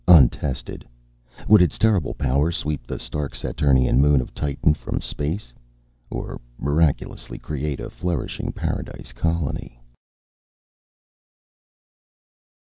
Untested. Would its terrible power sweep the stark Saturnian moon of Titan from space ... or miraculously create a flourishing paradise colony?